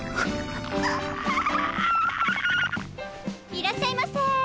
いらっしゃいませ！